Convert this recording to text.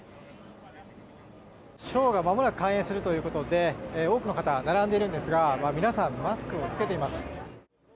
ショーがまもなく開演するということで多くの方が並んでいるんですが皆さん、マスクを着けています。